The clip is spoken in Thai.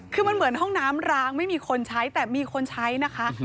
คือมันเหมือนห้องน้ำร้างไม่มีคนใช้แต่มีคนใช้นะคะ